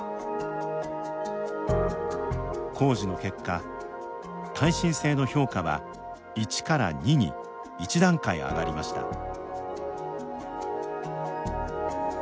工事の結果耐震性の評価は１から２に１段階上がりました。